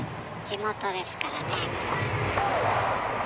地元ですからね